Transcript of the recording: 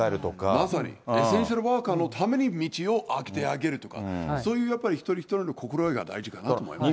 まさに、エッセンシャルワーカーのために道をあけてあげるとか、そういうやっぱり、一人一人の心がけが大事かなと思いますね。